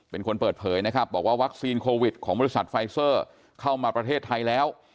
เป็นคนเปิดเผยนะครับบอกว่าวัคซีนโควิดของบริษัทไฟเซอร์เข้ามาประเทศไทยแล้ว